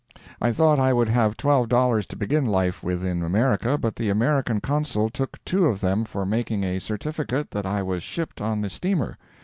I thought I would have twelve dollars to begin life with in America, but the American Consul took two of them for making a certificate that I was shipped on the steamer.